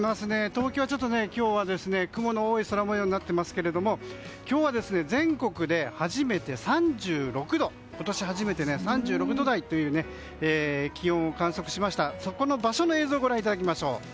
東京は今日はちょっと雲の多い空模様になっていますけども今日は全国で今年初めて３６度という気温を観測しましたその場所の映像をご覧いただきましょう。